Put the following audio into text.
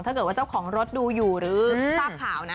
ถ้าเกิดว่าเจ้าของรถดูอยู่หรือฝากข่าวนะ